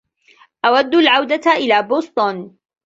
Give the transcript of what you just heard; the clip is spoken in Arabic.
أودّ العودة إلى بوسطن.